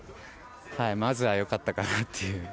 まずはよかったかなという。